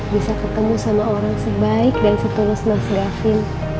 bisa ketemu sama orang sebaik dan setulus mas gafin